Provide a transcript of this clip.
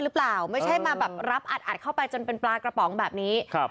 ไม่ใช่มาแบบรับอัดอัดเข้าไปจนเป็นปลากระป๋องแบบนี้ครับ